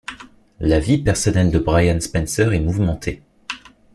La vie personnelle de Brian Spencer est mouvementée.